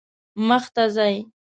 مخ ته ځئ